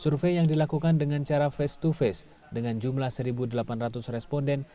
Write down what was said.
survei yang dilakukan dengan cara face to face dengan jumlah satu delapan ratus responden